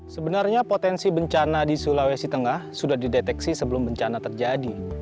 sebenarnya potensi bencana di sulawesi tengah sudah dideteksi sebelum bencana terjadi